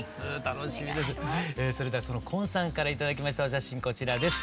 それではその今さんから頂きましたお写真こちらです。